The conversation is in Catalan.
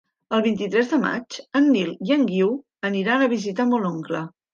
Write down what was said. El vint-i-tres de maig en Nil i en Guiu aniran a visitar mon oncle.